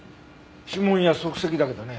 指紋や足跡だけどね